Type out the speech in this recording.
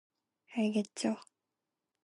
알겠죠?